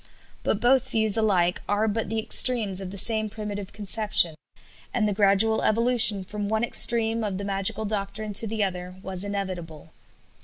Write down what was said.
But both views alike are but the extremes of the same primitive conception; and the gradual evolution from one extreme of the magical doctrine to the other was inevitable.